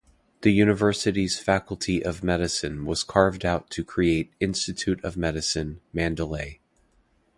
The university's Faculty of Medicine was carved out to create Institute of Medicine, Mandalay.